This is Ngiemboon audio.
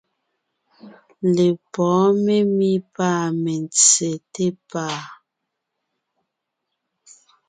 Lepɔ̌ɔn memí pâ mentse té pàa.